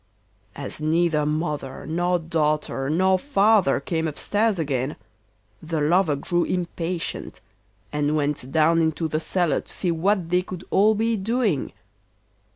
As neither mother nor daughter nor father came upstairs again, the lover grew impatient, and went down into the cellar to see what they could all be doing.